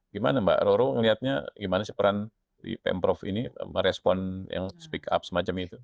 gimana mbak roro ngelihatnya gimana sih peran di pemprov ini merespon yang speak up semacam itu